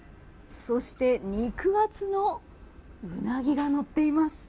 そして肉厚のウナギがのっています。